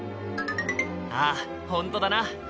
ああほんとだな。